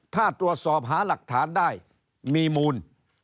ถ้าตรวจสอบหาหลักฐานได้มีมูล